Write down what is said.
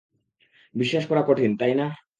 বিশ্বাস করা কঠিন, তাই না?